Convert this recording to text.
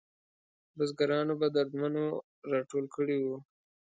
بزګرانو به درمندونه راټول کړي وو.